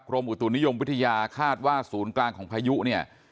อุตุนิยมวิทยาคาดว่าศูนย์กลางของพายุเนี่ย